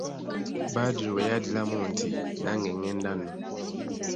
Badru we yaddiramu nti:"nange ngenda nno"